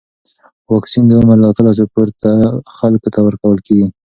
واکسن د عمر له اتلسو پورته خلکو ته ورکول کېږي.